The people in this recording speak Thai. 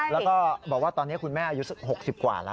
แล้วก็บอกว่าตอนนี้คุณแม่อายุ๖๐กว่าแล้ว